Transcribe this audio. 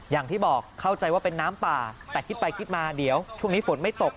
อย่างที่บอกเข้าใจว่าเป็นน้ำป่าแต่คิดไปคิดมาเดี๋ยวช่วงนี้ฝนไม่ตก